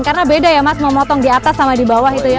karena beda ya mas memotong di atas sama di bawah itu ya